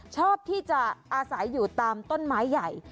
ชอบที่จะอาศัยอยู่ตามต้นไม้ใหญ่